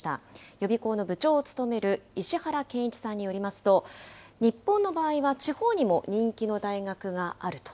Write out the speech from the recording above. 予備校の部長を務める石原賢一さんによりますと、日本の場合は地方にも人気の大学があると。